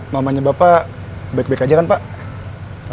mamanya bapak baik baik aja kan pak